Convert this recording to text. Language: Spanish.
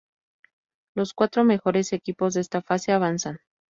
Los cuatro mejores equipos de esta fase avanzan.